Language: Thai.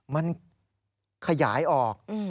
มันขยายออก